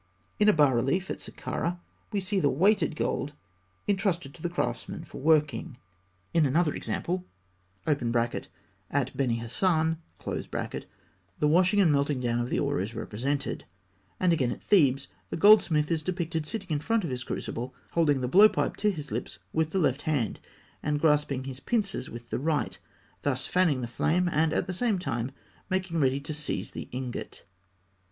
In a bas relief at Sakkarah, we see the weighed gold entrusted to the craftsman for working; in another example (at Beni Hasan) the washing and melting down of the ore is represented; and again at Thebes, the goldsmith is depicted seated in front of his crucible, holding the blow pipe to his lips with the left hand, and grasping his pincers with the right, thus fanning the flame and at the same time making ready to seize the ingot (fig.